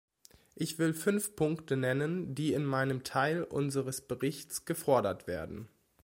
Ich will fünf Punkte nennen, die in meinem Teil unseres Berichts gefordert werden.